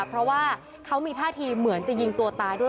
เพราะว่าเขามีท่าทีเหมือนจะยิงตัวตายด้วย